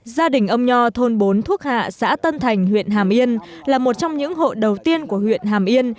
gia đình ông nho thôn bốn thuốc hạ xã tân thành huyện hàm yên là một trong những hộ đầu tiên của huyện hàm yên